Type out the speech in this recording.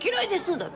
だって。